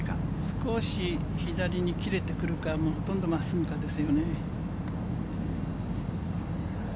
少し左に切れてくるか、ほとんど真っすぐかですね。